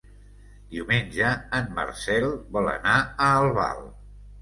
Diumenge en Marcel vol anar a Albal.